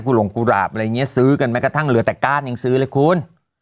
หลงกุหลาบอะไรอย่างนี้ซื้อกันแม้กระทั่งเหลือแต่ก้านยังซื้อเลยคุณ